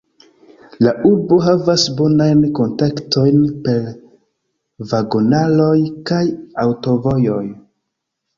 La urbo havas bonajn kontaktojn per vagonaroj kaj aŭtovojoj.